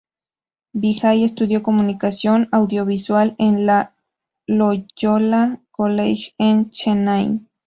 Vijay estudió Comunicación audiovisual en el Loyola College, en Chennai.